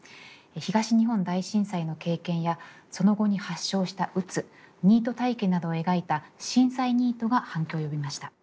東日本大震災の経験やその後に発症した鬱ニート体験などを描いた「しんさいニート」が反響を呼びました。